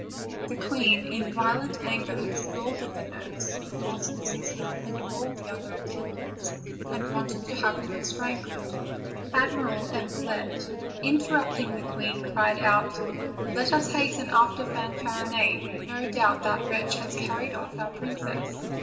The queen, in violent anger, scolded the nurse, the foster sister, and all the princess' other attendants, and wanted to have them strangled. Admiral Epaulette, interrupting the queen, cried out: "Let us hasten after Fanfarinet; no doubt that wretch has carried off our princess."